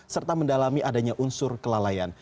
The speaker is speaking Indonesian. serta mendalami adanya unsur kelalaian